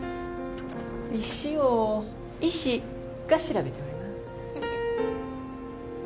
石を医師が調べております。